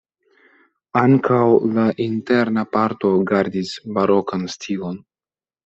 Ankaŭ la interna parto gardis barokan stilon.